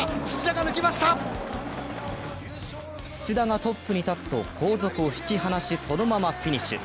土田がトップに立つと、後続を引き離し、そのままフィニッシュ。